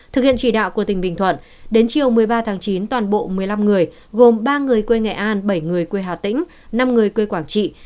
thực hiện chỉ đạo của tỉnh bình thuận đến chiều một mươi ba tháng chín toàn bộ một mươi năm người gồm ba người quê nghệ an bảy người quê hà tĩnh năm người quê quảng trị